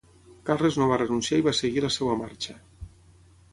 Carles no va renunciar i va seguir la seva marxa.